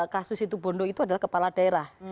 kasus situ bondo itu adalah kepala daerah